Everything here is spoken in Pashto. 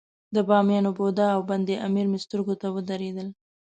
د بامیانو بودا او بند امیر مې سترګو ته ودرېدل.